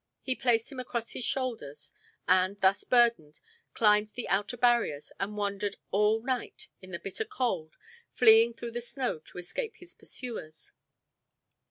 He placed him across his shoulders, and, thus burdened, climbed the outer barriers and wandered all night in the bitter cold, fleeing through the snow to escape his pursuers.